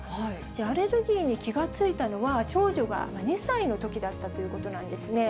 アレルギーに気が付いたのは、長女が２歳のときだったということなんですね。